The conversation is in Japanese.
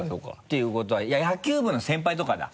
ていうことは野球部の先輩とかだ。